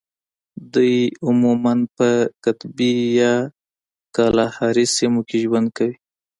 دوی عموماً په قطبي یا کالاهاري سیمو کې ژوند کوي.